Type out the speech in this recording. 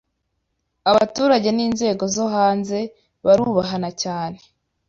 abaturage ninzego zo hanze barubahan cyane